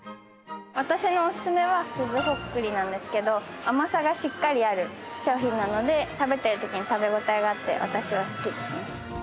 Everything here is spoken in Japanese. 私のおすすめはすずほっくりなんですけど甘さがしっかりある商品なので食べている時に食べ応えがあって私は好きですね。